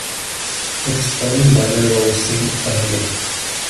It is owned by the Rausing family.